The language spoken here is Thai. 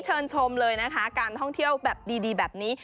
เชิญชมเลยนะคะการท่องเที่ยวแบบดีแบบนี้